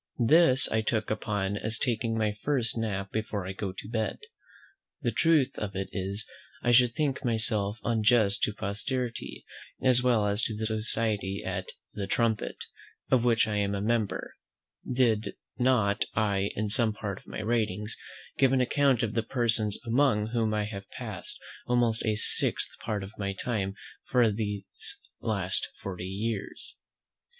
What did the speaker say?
This I look upon as taking my first nap before I go to bed. The truth of it is, I should think myself unjust to posterity, as well as to the society at "The Trumpet," of which I am a member, did not I in some part of my writings give an account of the persons among whom I have passed almost a sixth part of my time for these last forty years.